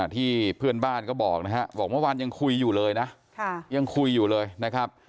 ที่เพื่อนบ้านก็บอกนะครับบอกเมื่อวานยังคุยอยู่เลยนะยังคุยอยู่เลยนะครับ